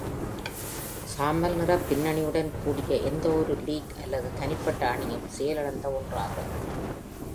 சாம்பல் நிற பின்னணியுடன் கூடிய எந்தவொரு லீக் அல்லது தனிப்பட்ட அணியும் செயலிழந்தவொன்றாகும்.